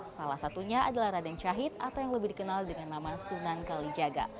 salah satunya adalah raden syahid atau yang lebih dikenal dengan nama sunan kalijaga